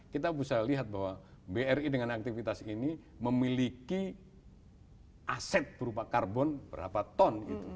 kita bisa lihat bahwa bri dengan aktivitas ini memiliki aset berupa karbon berapa ton